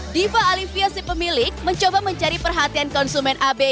diva alivia si pemilik mencoba mencari perhatian konsumen abis